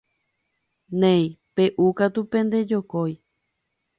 Néi peʼúkatu pende kojói.